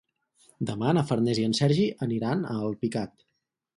Demà na Farners i en Sergi aniran a Alpicat.